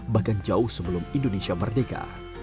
bahkan jauh sebelum indonesia merdeka